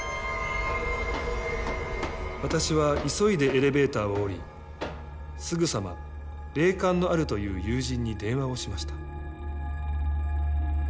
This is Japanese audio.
私は急いでエレベーターを降りすぐさま霊感のあるという友人に電話をしました。